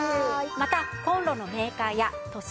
またコンロのメーカーや都市